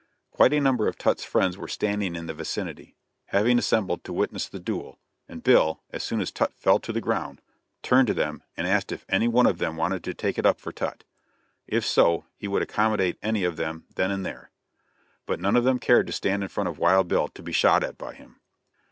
Quite a number of Tutt's friends were standing in the vicinity, having assembled to witness the duel, and Bill, as soon as Tutt fell to the ground, turned to them and asked if any one of them wanted to take it up for Tutt; if so, he would accommodate any of them then and there. But none of them cared to stand in front of Wild Bill to be shot at by him.